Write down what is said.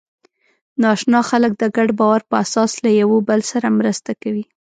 ناآشنا خلک د ګډ باور په اساس له یوه بل سره مرسته کوي.